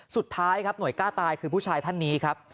สุดท้ายครับหน่วยกล้าตายคือผู้ชายท่านนี้ครับ